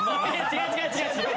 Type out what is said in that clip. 違う違う違う！